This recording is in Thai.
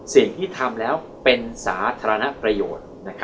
สิ่งที่ทำแล้วเป็นสาธารณประโยชน์